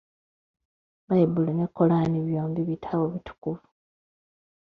Bbayibuli ne Kolaani bombi bitabo bitukuvu.